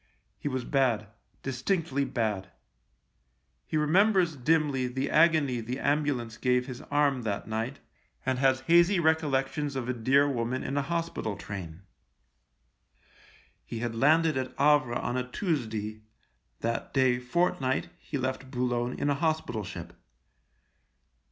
He was bad — distinctly bad. He remembers dimly the agony the ambulance gave his arm that night, and has hazy recollections of a dear woman in a hospital train. He had landed at Havre on a Tuesday ; that day fortnight he left Boulogne in a hospital ship.